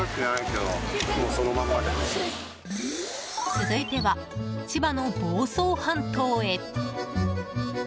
続いては千葉の房総半島へ。